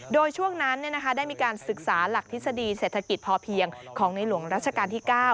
โดยช่วงนั้นได้มีการศึกษาหลักทฤษฎีเศรษฐกิจพอเพียงของในหลวงรัชกาลที่๙